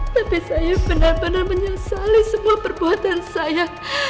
tapi saya benar benar menyesali semua perbuatan saya